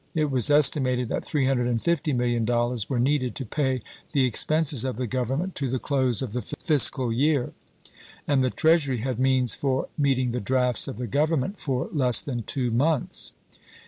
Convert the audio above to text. It was esti mated that $350,000,000 were needed to pay the expenses of the Government to the close of the fiscal year, and the treasury had means for meet ing the drafts of the Government for less than two months.